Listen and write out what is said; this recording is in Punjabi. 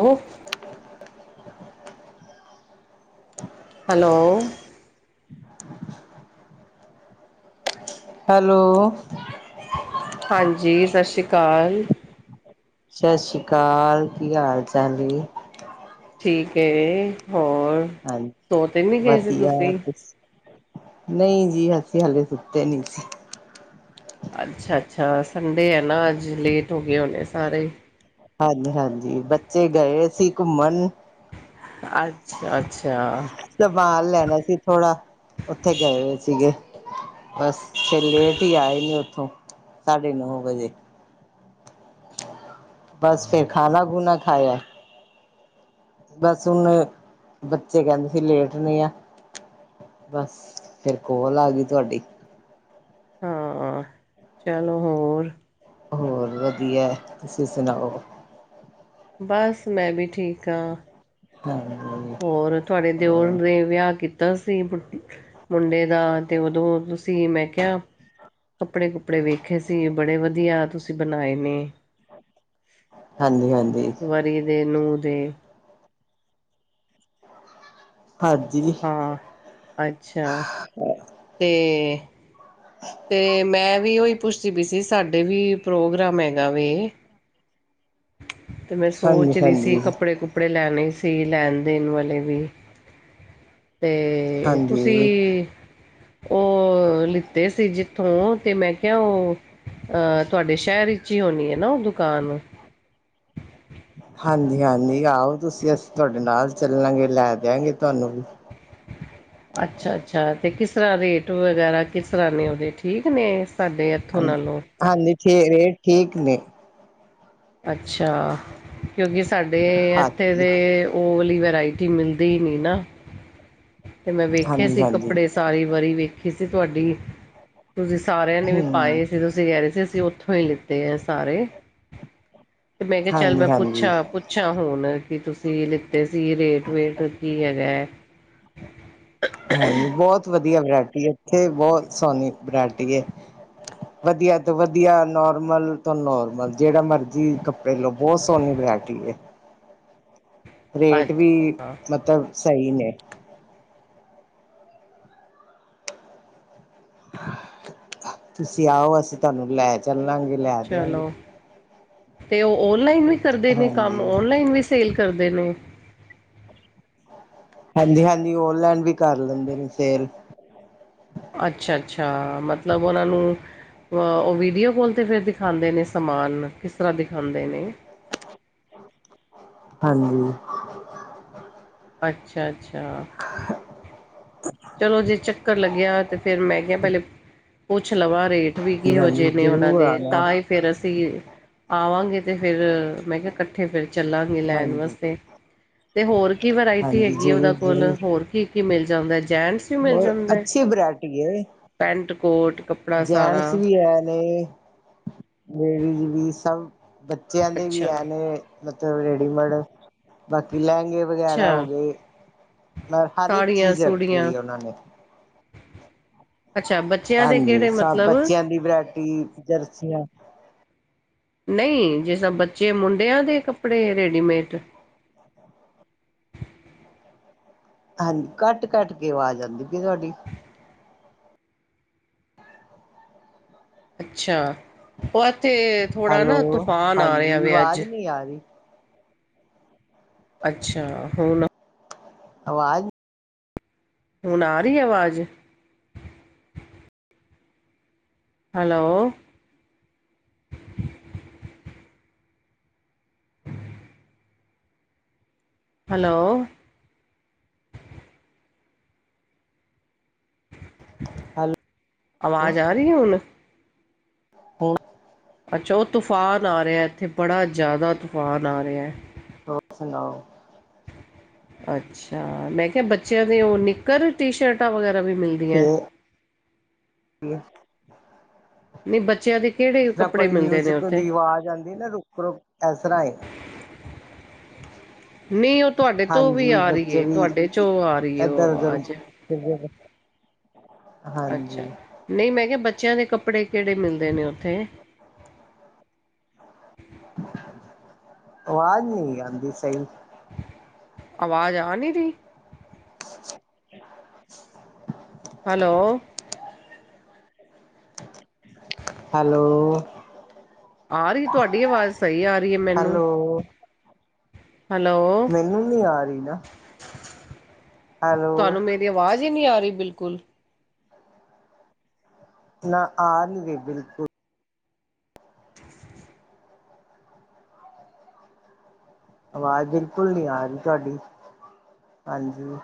ਉਹਫ [inaudible] ਹੈਲੋ ਹੈਲੋ ਹਾਂਜੀ ਸਤਿ ਸ਼੍ਰੀ ਅਕਾਲ ਸਤਿ ਸ਼੍ਰੀ ਅਕਾਲ ਕੀ ਹਾਲ ਚਾਲ‌ ਏ ਠੀਕ ਏ ਹੋਰ ਹਾਂਜੀ ਸੌ ਤੇ‌ ਨਹੀਂ ਗਏ ਸੀ ਤੁਸੀਂ ਨਹੀਂ ਜੀ ਅਸੀਂ ਹਲੇ ਸੁੱਤੇ ਨਹੀਂ ਸੀ ਅੱਛਾ, ਅੱਛਾ ਸੰਡੇ ਏ ਨਾ ਅੱਜ ਲੇਟ ਹੋ ਗਏ ਹੋਣੇ ਸਾਰੇ ਹਾਂਜੀ ਹਾਂਜੀ ਬੱਚੇ ਗਏ ਸੀ ਘੁੰਮਣ ਅੱਛਾ, ਅੱਛਾ ਸਮਾਨ ਲੈਣਾ ਸੀ ਥੋੜ੍ਹਾ ਉੱਥੇ ਗਏ ਹੋਏ ਸੀਗੇ ਬਸ ਫੇਰ ਲੇਟ ਹੀ ਆਏ ਨੇ ਉੱਥੋਂ ਸਾਢੇ ਨੌ ਹੋ ਗੇ ਜੇ ਬਸ ਫੇਰ ਖਾਣਾ ਖੂਣਾ ਖਾਇਆ ਬਸ ਹੁਣ ਬੱਚੇ ਕਹਿੰਦੇ ਸੀ ਲੇਟ ਨੇ ਆ ਬਸ ਫੇਰ ਕੋਲ ਆ ਗਈ ਤੁਹਾਡੀ ਹਾਂ ਚਲੋ ਹੋਰ ਹੋਰ ਵਧੀਆ ਤੁਸੀਂ ਸੁਣਾਓ। ਬਸ ਮੈਂ ਵੀ ਠੀਕ ਆ। ਹੂੰ ਹੋਰ ਤੁਹਾਡੇ ਦਿਓਰ ਨੇ ਵਿਆਹ ਕੀਤਾ ਸੀ ਮੁੰਡੇ ਦਾ ਤੇ ਉਦੋਂ ਤੁਸੀਂ ਮੈਂ ਕਿਹਾ ਕੱਪੜੇ ਕੁਪੜੇ ਵੇਖੇ ਸੀ ਬੜੇ ਵਧੀਆ ਤੁਸੀਂ ਬਣਾਏ ਨੇ ਹਾਂਜੀ, ਹਾਂਜੀ ਵਰੀ ਦੇ ਨੂੰਹ ਦੇ ਹਾਂਜੀ ਹਾਂ, ਅੱਛਾ [unintelligible] ਤੇ [inaudible] ਤੇ ਮੈਂ ਵੀ ਉਹੀ ਪੁੱਛਦੀ ਪਈ ਸੀ ਸਾਡੇ ਵੀ ਪ੍ਰੋਗਰਾਮ ਹੈਗਾ ਵੇ ਤੇ ਮੈਂ ਹਾਂਜੀ ਸੋਚ ਰਹੀ ਸੀ ਹਾਂਜੀ ਕੱਪੜੇ ਕੁਪੜੇ ਲੈਣੇ ਸੀ ਲੈਣ ਦੇਣ ਵਾਲੇ ਵੀ ਤੇ ਹਾਂਜੀ ਤੁਸੀਂ ਉਹ ਲਿੱਤੇ ਸੀ ਜਿੱ ਥੋਂ ਤੇ ਮੈਂ ਕਿਹਾ ਉਹ ਤੁਹਾਡੇ ਸ਼ਹਿਰ ਵਿੱਚ ਹੀ ਹੋਣੀ ਐ ਨਾ ਉਹ ਦੁਕਾਨ ਹਾਂਜੀ ਹਾਂਜੀ ਆਓ ਤੁਸੀਂ ਅਸੀਂ ਤੁਹਾਡੇ ਨਾਲ ਚੱਲਾਂਗੇ ਲੈ ਦਿਆਂਗੇ ਤੁਹਾਨੂੰ ਵੀ ਅੱਛਾ, ਅੱਛਾ ਤੇ ਕਿਸ ਤਰ੍ਹਾਂ ਰੇਟ ਵਗੈਰਾ ਕਿਸ ਤਰ੍ਹਾਂ ਨੇ ਉਹਦੇ ਠੀਕ ਨੇ ਸਾਡੇ ਇਥੋਂ ਹਾਂਜੀ ਨਾਲੋਂ ਹਾਂਜੀ ਠੀਕ ਰੇਟ ਠੀਕ ਨੇ ਅੱਛਾ ਕਿਉਂਕਿ ਸਾਡੇ ਇੱਥੇ ਹਾਂਜੀ ਦੇ ਉਹ ਵਾਲੀ ਵੈਰਾਇਟੀ ਮਿਲਦੀ ਹੀ ਨੀ ਨਾ ਤੇ ਮੈਂ ਵੇਖੇ ਹਾਂਜੀ ਸੀ ਹਾਂਜੀ ਕੱਪੜੇ ਸਾਰੀ ਵਰੀ ਵੇਖੀ ਸੀ ਤੁਹਾਡੀ ਤੁਸੀਂ ਸਾਰਿਆਂ ਨੇ ਵੀ ਹਮ ਪਾਏ ਸੀ ਤੁਸੀਂ ਕਹਿ ਰਹੇ ਸੀ ਅਸੀਂ ਉੱਥੋਂ ਹੀ ਲਿੱਤੇ ਏ ਸਾਰੇ ਤੇ ਮੈਂ ਕਿਹਾ ਚੱਲ ਮੈਂ ਹਾਂਜੀ ਹਾਂਜੀ ਪੁੱਛਾਂ। ਪੁੱਛਾਂ ਹੁਣ ਕੀ ਤੁਸੀਂ ਲਿੱਤੇ ਸੀ ਰੇਟ ਵੇਟ ਕੀ ਹੈਗਾ ਏ,,, ਹਾਂਜੀ ਬਹੁਤ ਵਧੀਆ ਵਰਾਇਟੀ ਇੱਥੇ ਬਹੁਤ ਸੋਹਣੀ ਵਰਾਇਟੀ ਏ। ਹ ਵਧੀਆ ਤੋਂ ਵਧੀਆ ਨੋਰਮਲ ਤੋਂ ਨੋਰਮਲ ਜਿਹੜਾ ਮਰਜੀ ਕੱਪੜੇ ਲਓ ਬਹੁਤ ਸੋਹਣੀ ਵੈਰਾਇਟੀ ਏ ਅੱ ਰੇਟ ਵੀ ਮਤਲਬ ਸਹੀ ਨੇ। ਤੁਸੀਂ ਆਓ ਅਸੀਂ ਤੁਹਾਨੂੰ ਲੈ ਚੱਲਾਂਗੇ। ਲੈ ਦਿਆਂਗੇ ਚਲੋ ਤੇ ਉਹ ਔਨਲਾਈਨ ਵੀ ਕਰਦੇ ਨੇ ਕੰਮ ਹਾਂਜੀ ਔਨਲਾਈਨ ਵੀ। ਸੇਲ ਕਰਦੇ ਨੇ। ਹਾਂਜੀ, ਹਾਂਜੀ ਓਨਲਾਈਨ ਵੀ ਕਰ ਲੈਂਦੇ ਨੇ ਸੇਲ। ਅੱਛਾ, ਅੱਛਾ ਮਤਲਬ ਉਹਨਾਂ ਨੂੰ। ਉਹ ਵੀਡੀਓ ਕੋਲ 'ਤੇ ਫਿਰ ਦਿਖਾਉਂਦੇ ਨੇ ਸਮਾਨ ਕਿਸ ਤਰ੍ਹਾਂ ਦਿਖਾਉਂਦੇ ਨੇ? ਹਾਂਜੀ। ਅੱਛਾ ਅੱਛਾ ਚਲੋ ਜੇ ਚੱਕਰ ਲੱਗਿਆ ਤੇ ਫਿਰ ਲੈ ਜਾਂਗੇ ਪੁੱਛ ਲਵਾ ਰੇਟ ਵੀ ਕਿਹੋ ਹਾਂਜੀ ਜਿਹੇ ਨੇ ਉਹਨਾਂ ਜ਼ਰੂਰ ਦੇ ਆਣਾ ਤਾਂ ਫਿਰ ਅਸੀਂ ਆਵਾਂਗੇ ਤੇ ਫਿਰ ਮੈਂ ਕਿਹਾ ਕੱਠੇ ਫਿਰ ਚੱਲਾਂਗੇ ਲੈਣ ਹਾਂਜੀ ਵਾਸਤੇ ਤੇ ਹੋਰ ਕੀ ਵਰਾਇਟੀ ਹਾਂਜੀ ਹੈਗੀ ਆ ਜ਼ਰੂਰ ਉਹਨਾ ਕੋਲ ਜ਼ਰੂਰ ਹੋਰ। ਕੀ ਕੀ ਮਿਲ ਜਾਂਦਾ ਜੈਂਟਸ ਵੀ ਮਿਲ ਹੋਰ ਜਾਂਦੇ ਅੱਛੀ ਪੈਂਟ ਕੋਟ ਕੱ ਜੈਨਟਸ ਵੀ ਹੈ ਨੇ ਲੇਡੀਜ਼ ਵੀ ਸਭ। ਬੱਚਿਆਂ ਦੇ ਵੀ ਇਹ ਨੇ ਅੱਛਾ-ਅੱਛਾ ਮਤਲਬ ਰੇਡੀਮੇਡ ਬਾਕੀ ਲੈਗੇ ਵਗੈਰਾ ਹੋ ਗਏ ਮ ਹਰ ਇੱਕ ਸਾੜੀਆਂ ਚੀਜ਼ ਰੱਖੀ ਸੂੜੀਆਂ ਹੋਈ ਉਹਨਾਂ ਨੇ। ਅੱਛਾ ਬੱਚਿਆਂ ਦੇ ਹਾਂਜੀ ਕਿਹੜੇ ਸਭ ਮਤਲਬ ਬੱਚਿਆਂ ਦੀ ਵਰਾਇਟੀ ਜਰਸੀਆਂ ਨਹੀਂ ਜੇ ਤਾਂ ਬੱਚੇ ਮੁੰਡਿਆਂ ਦੇ ਕੱਪੜੇ ਰੈਡੀਮੇਡ ਹਾਂਜੀ ਕਟ ਕਟ ਕੇ ਆਵਾਜ਼ ਆਉਂਦੀ ਪਈ ਤੁਹਾਡੀ ਅੱਛਾ ਉਹ ਇੱਥੇ ਥੋੜ੍ਹਾ ਹੈਲੋ, ਨਾ ਤੂਫਾਨ ਆ ਹਾਂਜੀ ਰਿਹਾ ਅੱਜ। ਆਵਾਜ਼ ਆ ਰਹੀ। ਅੱਛਾ ਹੁਣ। ਆਵਾਜ਼। ਹੁਣ ਆ ਰਹੀ ਆਵਾਜ਼? ਹੈਲੋ। ਹੈਲੋ। ਹੈਲੋ ਆਵਾਜ਼ ਆ ਰਹੀ ਏ ਹੁਣ? ਹੋਰ? ਅੱਛਾ ਉਹ ਤੂਫਾਨ ਆ ਰਿਹਾ ਇੱਥੇ ਬੜਾ ਜਿਆਦਾ ਤੂਫਾਨ ਆ ਰਿਹਾ। ਹੋਰ ਸੁਣਾਓ? ਅੱਛਾ, ਮੈਂ ਕਿਹਾ ਬੱਚਿਆਂ ਦੀ ਉਹ ਨਿੱਕਰ ਟੀ ਸ਼ਰਟਾਂ ਵਗੈਰਾ ਵੀ ਮਿਲ। ਤੇ ਹੋਰ। ਨਹੀਂ ਬੱਚਿਆਂ ਦੀ। ਜਿਸ ਤਰ੍ਹਾਂ ਆਪਾ ਕੋਈ ਮਿਊਜਿਕ ਦੀ ਆਵਾਜ਼ ਆਉਂਦੀ ਨਾ ਰੁਕ ਰੁਕ ਇਸ ਤਰ੍ਹਾਂ ਏ। ਨਹੀਂ ਉਹ ਤੁਹਾਡੇ ਤੋਂ ਵੀ ਹਾਂਜੀ ਆ ਰਹੀ ਬੱਚੇ ਏ ਵੀ ਤੁਹਾਡੇ ਚੌ ਆ ਰਹੀ ਹੈ ਉਹ ਆਵਾਜ਼। ਫਿਰ ਅੱਛਾ ਨਹੀਂ ਮੈਂ ਕਿਹਾ, ਬੱਚਿਆਂ ਦੇ ਕੱਪੜੇ ਕਿਹੜੇ ਮਿਲਦੇ ਨੇ ਉੱਥੇ। ਆਵਾਜ਼ ਨਹੀਂ ਆਾਂਦੀ ਸਹੀ। ਆਵਾਜ਼ ਆ ਨਹੀਂ ਰਹੀ। ਹੈਲੋ। ਹੈਲੋ। ਆ ਰਹੀ। ਤੁਹਾਡੀ ਆਵਾਜ਼ ਸਹੀ ਆ ਰਹੀ ਏ ਮੈਨੂੰ। Hello hello. ਮੈਨੂੰ ਨੀ ਆ ਰਹੀ ਨਾ। ਹੈਲੋ ਤੁਹਾਨੂੰ ਮੇਰੀ ਆਵਾਜ਼ ਹੀ ਨਹੀ ਆ ਰਹੀ ਬਿਲਕੁਲ? ਨਾ, ਆ ਨਹੀਂ ਰਹੀ ਬਿਲਕੁਲ। ਆਵਾਜ਼ ਬਿਲਕੁਲ ਨੀ ਆ ਰਹੀ ਤੁਹਾਡੀ ਹਾਂਜੀ।